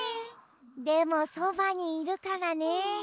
でもそばにいるからね。